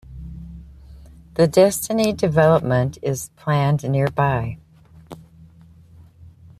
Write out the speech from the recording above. The Destiny development is planned nearby.